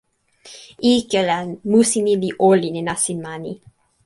ike la, musi ni li olin e nasin mani.